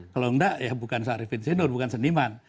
kalau tidak ya bukan sarifin senur bukan seniman